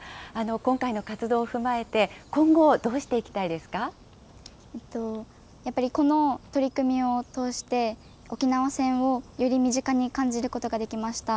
今回の活動を踏まえて、今後、どやっぱりこの取り組みを通して、沖縄戦をより身近に感じることができました。